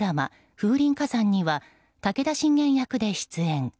「風林火山」には武田信玄役で出演。